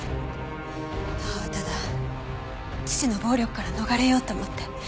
母はただ父の暴力から逃れようと思って。